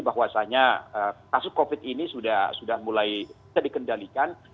bahwasanya kasus covid ini sudah mulai bisa dikendalikan